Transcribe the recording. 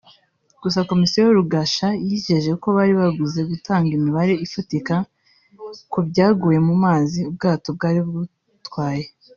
Gusa Komiseri Rugusha yijeje ko bari buze gutanga imibare ifatika ku byaguye mu mazi ubwato bwari butwaye